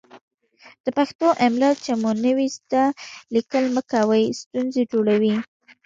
د پښتو املا چې مو نه وي ذده، ليکل مه کوئ ستونزې جوړوي.